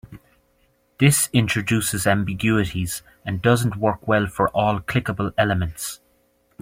This introduces ambiguities and doesn't work well for all clickable elements.